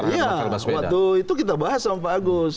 iya waktu itu kita bahas sama pak agus